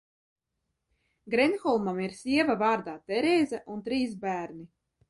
Grenholmam ir sieva vārdā Terēza un trīs bērni.